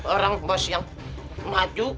orang bos yang maju